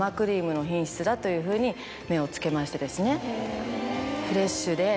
だというふうに目をつけましてですね。